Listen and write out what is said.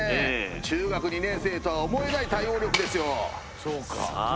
中学２年生とは思えない対応力ですよさあ